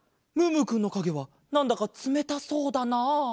ムームーくんのかげはなんだかつめたそうだなあ。